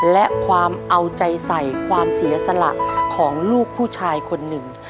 และความเอาใจใส่ความเสียสละของลูกผู้ชายคนหนึ่ง